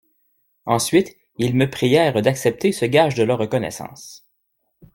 Ensuite, ils me prièrent d'accepter ce gage de leur reconnaissance.